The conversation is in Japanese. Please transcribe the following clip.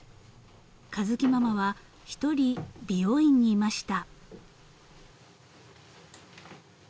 ［佳月ママは一人美容院にいました］